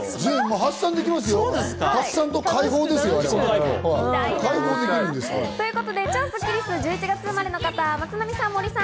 発散と開放ですよ、あれは。ということで超スッキりすは１１月生まれの方、森さん、松並さん。